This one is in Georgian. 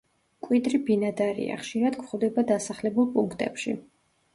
მკვიდრი ბინადარია, ხშირად გვხვდება დასახლებულ პუნქტებში.